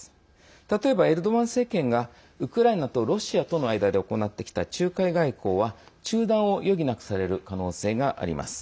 例えば、エルドアン政権がウクライナとロシアとの間で行ってきた仲介外交は中断を余儀なくされる可能性があります。